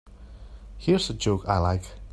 Here's a joke I like.